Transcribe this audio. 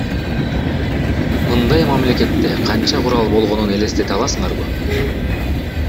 Мындай мамлекетте канча курал болгонун элестете аласыңарбы?